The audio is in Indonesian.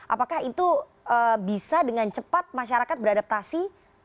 apakah itu bisa dengan cepat masyarakat beradaptasi